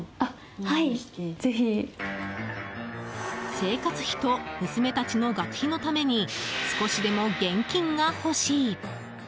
生活費と娘たちの学費のために少しでも現金が欲しい。